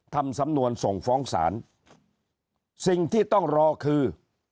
ทำสำนวนส่งฟ้องศาลสิ่งที่ต้องรอคือ